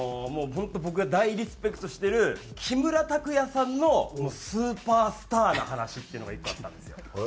本当僕が大リスペクトしてる木村拓哉さんのスーパースターな話っていうのが１個あったんですよ。